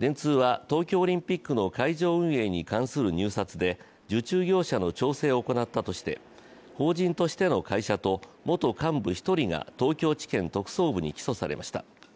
電通は東京オリンピックの会場運営に関する入札で受注業者の調整を行ったとして法人としての会社と元幹部１人が東京地検特捜部に起訴されました。